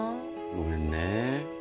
ごめんね。